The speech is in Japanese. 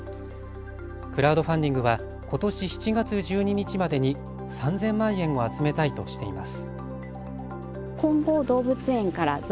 クラウドファンディングはことし７月１２日までに３０００万円を集めたいとしています。